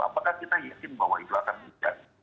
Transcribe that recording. apakah kita yakin bahwa itu akan hujan